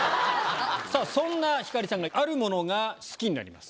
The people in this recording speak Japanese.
そんな星さんがあるものが好きになります。